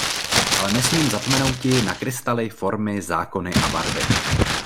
Ale nesmím zapomenouti na krystaly, formy, zákony a barvy.